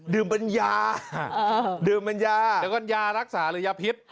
ดื่มเป็นยาดื่มเป็นยาแล้วก็ยารักษาหรือยาพิษ